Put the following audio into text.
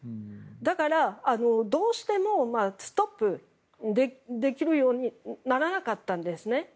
だから、どうしてもストップできるようにならなかったんですね。